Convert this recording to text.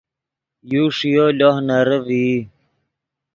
یو ݰییو لوہ نرے ڤئی